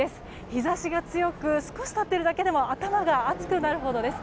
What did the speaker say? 日差しが強く少し立っているだけで頭が熱くなります。